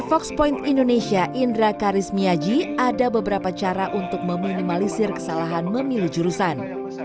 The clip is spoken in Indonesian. fox point indonesia indra karismiaji ada beberapa cara untuk meminimalisir kesalahan memilih jurusan